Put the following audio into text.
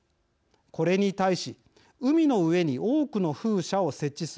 これに対し海の上に多くの風車を設置する洋上風力発電。